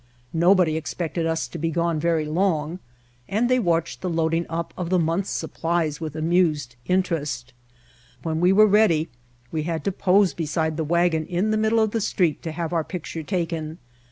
Nobody expected us to be gone very long and they watched the loading up of [8s] White Heart of Mojave the month's supplies with amused interest. When we were ready we had to pose beside the wagon in the middle of the street to have our picture taken.